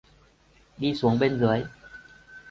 Đi xuống bên dưới